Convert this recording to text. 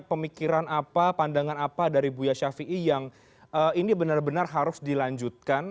pemikiran apa pandangan apa dari buya syafi'i yang ini benar benar harus dilanjutkan